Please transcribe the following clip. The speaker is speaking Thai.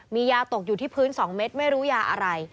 มียาตกอยู่ที่พื้น๒เม็ดไม่รู้ยาอะไร